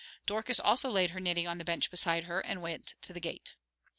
Dorcas also laid her knitting on the bench beside her and went to the gate.